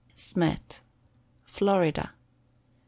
Smet. Florida.